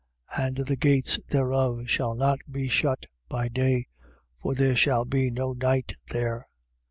21:25. And the gates thereof shall not be shut by day: for there shall be no night there.